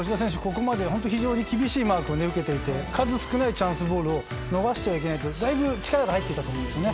ここまで非常に厳しいマークを受けていて数少ないチャンスボールを逃しちゃいけないとだいぶ力が入っていたと思います。